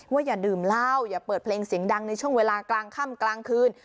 อย่าดื่มเหล้าอย่าเปิดเพลงเสียงดังในช่วงเวลากลางค่ำกลางคืน